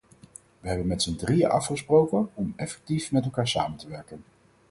Wij hebben met zijn drieën afgesproken om effectief met elkaar samen te werken.